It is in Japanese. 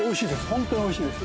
本当においしいです